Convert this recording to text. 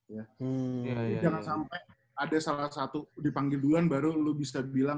jadi jangan sampai ada salah satu dipanggil duluan baru lo bisa bilang